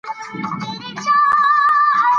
اداري امتیاز باید قانوني دلیل ولري.